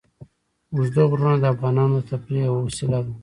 اوږده غرونه د افغانانو د تفریح یوه وسیله ده.